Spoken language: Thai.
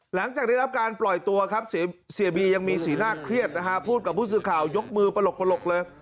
หลังจากได้รับการปล่อยตัวครับเสียบียังมีสีหน้าเครียดนะฮะพูดกับผู้สื่อข่าวยกมือปลกเลย